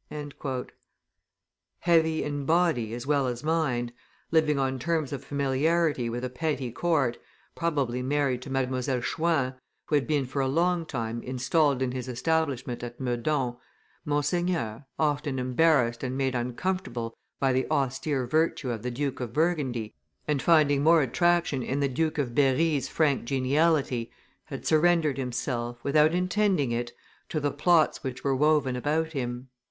'" Heavy in body as well as mind, living on terms of familiarity with a petty court, probably married to Mdlle. Choin, who had been for a long time installed in his establishment at Meudon, Monseigneur, often embarrassed and made uncomfortable by the austere virtue of the Duke of Burgundy, and finding more attraction in the Duke of Berry's frank geniality, had surrendered himself, without intending it, to the plots which were woven about him.